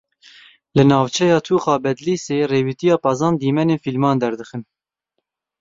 Li navçeya Tûxa Bedlîsê, rêwîtiya pezan, dîmenên fîlman derdixin.